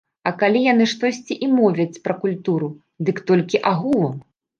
А калі яны штосьці і мовяць пра культуру, дык толькі агулам.